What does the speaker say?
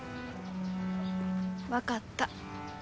分かった。